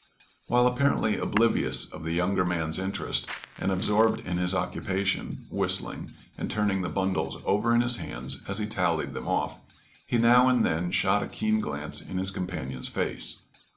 While apparently oblivious of the younger man's interest, and absorbed in his occupation, whistling, and turning the bundles over in his hands as he tallied them off, he now and then shot a keen glance in his companion's face.